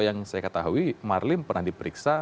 yang saya ketahui marlim pernah diperiksa